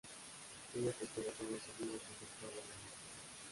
Ella se quedó con el sonido que efectuaba la máquina.